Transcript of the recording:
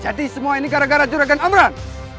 jadi semua ini gara gara juragan amran